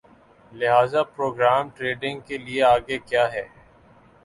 لہذا program trading کے لیے آگے کِیا ہے